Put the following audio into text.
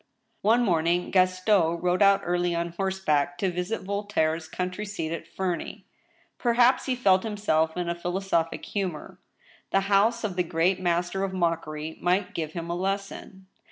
One morning Gaston 'rode out early on horseback to visit Vol taire's country seat at Femey. Perhaps he felt himself in a philosophic humor. The house of the great master of mockery might give him a lesson.